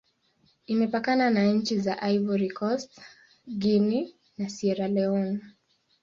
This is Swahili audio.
Imepakana na nchi za Ivory Coast, Guinea, na Sierra Leone.